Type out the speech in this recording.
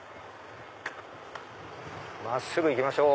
真っすぐ行きましょう！